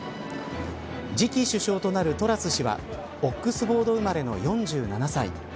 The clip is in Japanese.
次期首相となるトラス氏はオックスフォード生まれの４７歳。